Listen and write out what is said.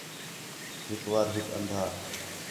ہک وار ہِک اندھا